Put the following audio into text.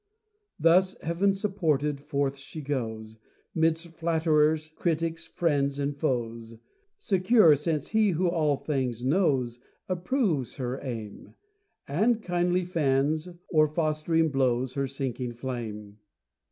Thus heaven supported, forth she goes Midst flatterers, critics, friends, and foes; Secure, since He who all things knows Approves her aim, And kindly fans, or fostering blows Her sinking flame.